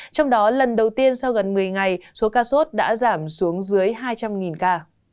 trong đó lần đầu tiên sau gần một mươi ngày số ca sốt đã giảm xuống dưới hai trăm linh ca